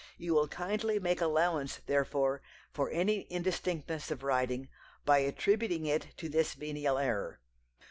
You will kindly make allowance therefore for any indistinctness of writing, by attributing it to this venial error."